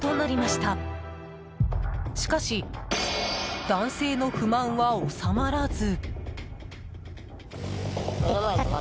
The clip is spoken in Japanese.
しかし、男性の不満は収まらず。